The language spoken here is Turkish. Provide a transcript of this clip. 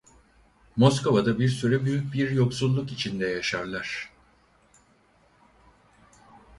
Moskova'da bir süre büyük bir yoksulluk içinde yaşarlar.